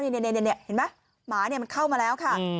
เห็นไหมหมาเนี่ยเข้ามาแล้วค่ะ